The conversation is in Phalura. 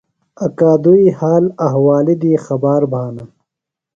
اکادُئی حال احوالی دی خبار بھانہ۔